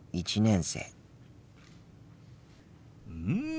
うん。